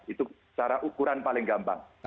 itu secara ukuran paling gampang